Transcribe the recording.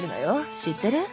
知ってる？